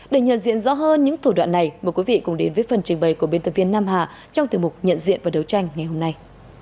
để nhận diện rõ hơn những thủ đoạn này mời quý vị cùng đến với phần trình bày của biên tập viên nam hà trong thời mục nhận diện và đấu tranh ngày hôm nay